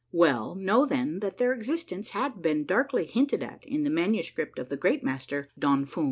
Well, know, then, that their existence had been darkly hinted at in the manuscript of the Great Master, Don Fum.